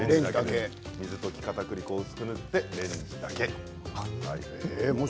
水溶きかたくり粉を薄く塗ってレンジだけ。